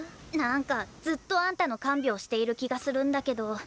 何かずっとあんたの看病している気がするんだけど。